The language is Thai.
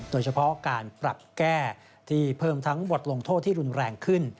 โดยเฉพาะการปรับแก้ที่เพิ่มทั้งบทลงโทษที่รุนแรงขึ้น